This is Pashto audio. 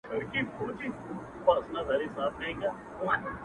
زما د سرڅښتنه اوس خپه سم که خوشحاله سم ـ